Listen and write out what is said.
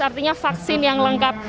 artinya vaksin yang lengkap